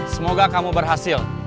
semoga kamu berhasil